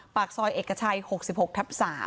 ปากซอยเอกชัย๖๖ทับ๓